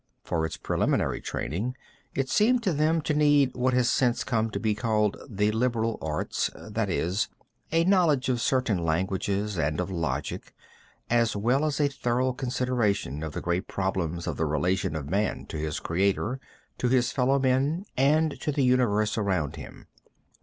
For its preliminary training, it seemed to them to need what has since come to be called the liberal arts, that is, a knowledge of certain languages and of logic, as well as a thorough consideration of the great problems of the relation of man to his Creator, to his fellow men, and to the universe around him.